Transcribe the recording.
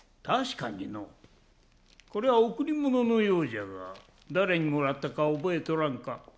確かにのうこれは贈り物のようじゃが誰にもらったか覚えとらんか？